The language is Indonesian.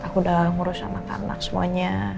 aku udah ngurus sama anak semuanya